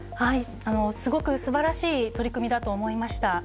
すごく素晴らしい取り組みだと思いました。